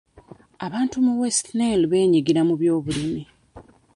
Abantu mu West Nile beenyigira mu byobulimi.